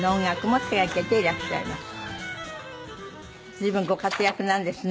随分ご活躍なんですね。